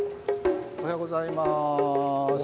おはようございます。